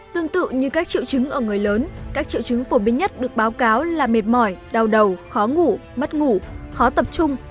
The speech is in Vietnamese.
tương tự như các triệu chứng ở người lớn các triệu chứng phổ biến nhất được báo cáo là mệt mỏi đau đầu khó ngủ mất ngủ khó tập trung